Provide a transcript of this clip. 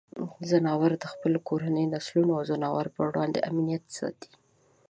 ځناور د خپلو کورنیو نسلونو او ځناورو پر وړاندې امنیت ساتي.